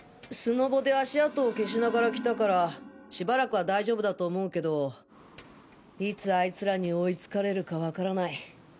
スノボで足跡を消しながら来たからしばらくは大丈夫だと思うけどいつあいつらに追い付かれるかわからない。